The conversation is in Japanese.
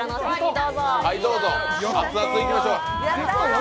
どうぞ、熱々いきましょう。